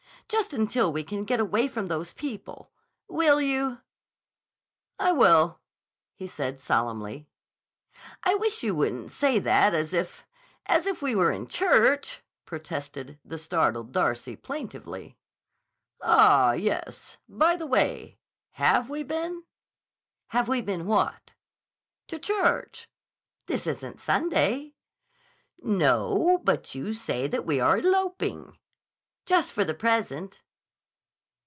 "Just until we can get away from those people. Will you?" "I will," he said solemnly. "I wish you wouldn't say that as if—as if we were in church," protested the startled Darcy, plaintively. "Ah, yes; by the way, have we been?" "Have we been what?" "To church." "This isn't Sunday." "No; but you say that we are eloping." "Just for the present."